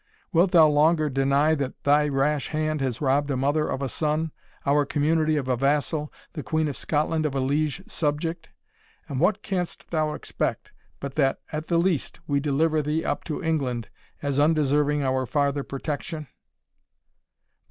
Wilt thou longer deny that thy rash hand has robbed a mother of a son, our community of a vassal, the Queen of Scotland of a liege subject? and what canst thou expect, but that, at the least, we deliver thee up to England, as undeserving our farther protection?"